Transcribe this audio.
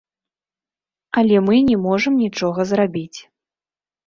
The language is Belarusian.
Але мы не можам нічога зрабіць.